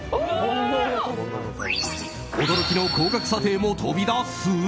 驚きの高額査定も飛び出す？